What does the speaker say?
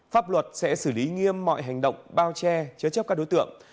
pháp luật sẽ xử lý nghiêm mọi hành động bao che chế chấp các đối tượng